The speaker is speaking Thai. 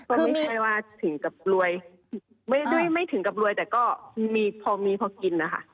ก็ไม่ใช่ว่าถึงกับรวยไม่ถึงกับรวยแต่ก็มีพอมีพอกินนะคะ